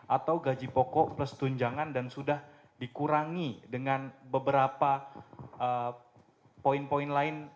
atau gaji pokok plus tunjangan dan sudah dikurangi dengan beberapa poin poin lain